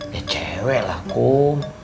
ya cewek lah kum